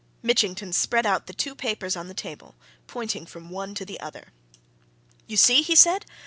Mitchington spread out the two papers on the table, pointing from one to the other. "You see?" he said.